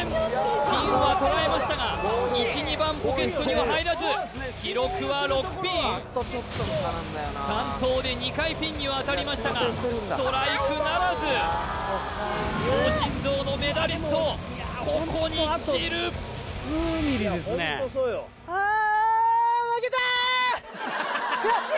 ピンは捉えましたが１２番ポケットには入らず記録は６ピン３投で２回ピンには当たりましたがストライクならず強心臓のメダリストここに散るよいしょー！